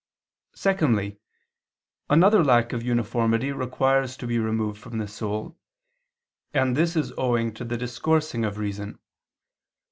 Secondly, another lack of uniformity requires to be removed from the soul, and this is owing to the discoursing of reason.